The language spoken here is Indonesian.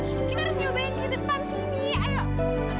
kita harus nyobain di depan sini ayo